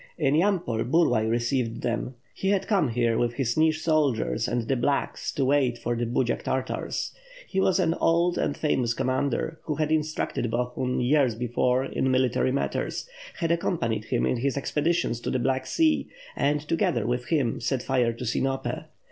In Yampol, Burlay received them. He had come here with his Nij soldiers and the "blacks'' to wait for the Budziak Tartars. He was an old and famous commander, who had instructed Bohun, years before in military matters; had ac companied him in his expeditions to the Black Sea, and, to gether with him, set fire to Sinope.